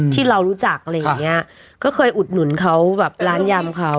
ที่เรารู้จักอะไรอย่างเงี้ยก็เคยอุดหนุนเขาแบบร้านยำเขา